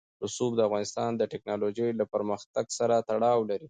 رسوب د افغانستان د تکنالوژۍ له پرمختګ سره تړاو لري.